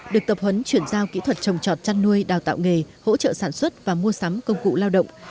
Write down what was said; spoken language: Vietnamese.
được tập huấn chuyển giao kỹ thuật trồng trọt chăn nuôi đào tạo nghề hỗ trợ sản xuất và mua sắm công cụ lao động